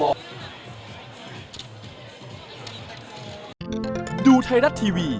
ขอบคุณครับ